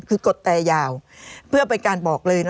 คือกดแต่ยาวเพื่อเป็นการบอกเลยนะ